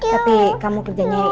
tapi kamu kerjanya yang apa